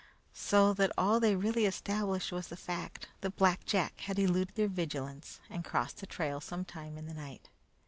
So that all they really established was the fact that Black Jack had eluded their vigilance and crossed the trail some time in the night.